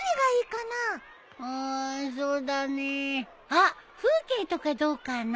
あっ風景とかどうかな？